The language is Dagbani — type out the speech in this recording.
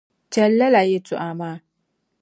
Chɛli lala yɛlitɔɣa maa